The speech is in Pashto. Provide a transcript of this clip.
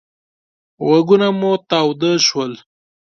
غوږونه مو تاوده شول.